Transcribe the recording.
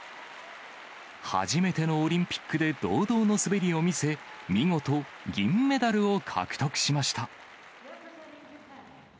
初めてのオリンピックで堂々の滑りを見せ、見事、銀メダルを獲得しました。